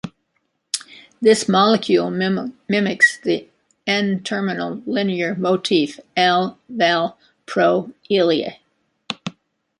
This molecule mimics the N-terminal linear motif Ala-Val-Pro-Ile.